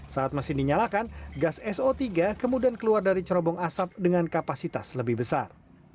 saat mesin dinyalakan gas so tiga kemudian keluar dari cerobong asap dengan kapasitas lebih besar